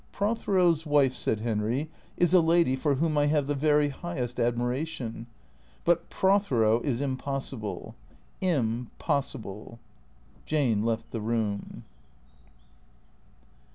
" Prothero's wife," said Henry, " is a lady for whom I have the very highest admiration. But Prothero is impossible. Im — possible." Jane left the room.